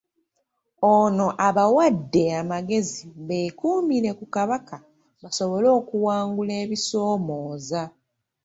Ono abawadde amagezi bekuumire ku Kabaka basobole okuwangula ebisomooza.